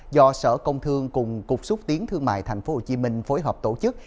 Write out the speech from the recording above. do sở công thương cùng cục xúc tiến thương mại tp hcm phối hợp tổ chức